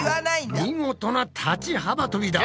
見事な立ち幅とびだ。